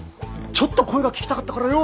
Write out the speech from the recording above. ちょっと声が聞きたかったからよ。